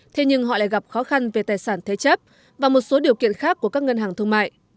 thế nhưng họ lại gặp khó khăn về tài sản thế chấp và một số điều kiện khác của các ngân hàng thương mại